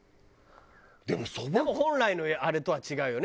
でも本来のあれとは違うよね